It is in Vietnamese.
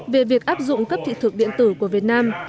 về việc áp dụng cấp thị thực điện tử của việt nam